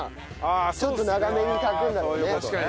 ちょっと長めに炊くんだろうね。